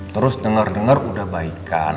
terus denger denger udah baikan